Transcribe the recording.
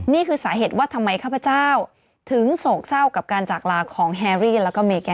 นี่คือสาเหตุว่าทำไมข้าพเจ้าถึงโศกเศร้ากับการจากลาของแฮรี่แล้วก็เมแกน